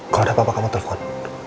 kalau ada apa apa kamu telpon